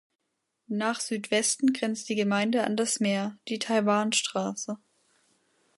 Nach Südwesten grenzt die Gemeinde an das Meer (die Taiwanstraße).